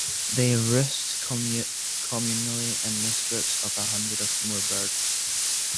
They roost communally in loose groups of a hundred or more birds.